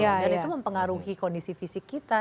dan itu mempengaruhi kondisi fisik kita